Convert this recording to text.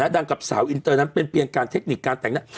กับสาวอินเตอร์นั้นเป็นเพียงการเทคนิคการแต่งหน้า